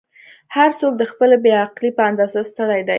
"هر څوک د خپلې بې عقلۍ په اندازه ستړی دی.